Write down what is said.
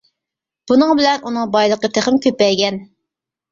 بۇنىڭ بىلەن ئۇنىڭ بايلىقى تېخىمۇ كۆپەيگەن.